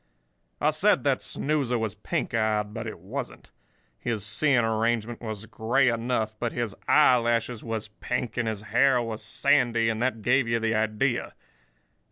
"I said that snoozer was pink eyed, but he wasn't. His seeing arrangement was grey enough, but his eye lashes was pink and his hair was sandy, and that gave you the idea.